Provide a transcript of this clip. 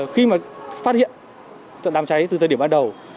khi mà phát hiện tượng đàm cháy từ thời điểm ban đầu